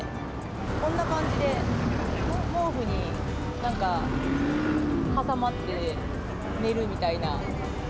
こんな感じで毛布に何か挟まって寝るみたいな。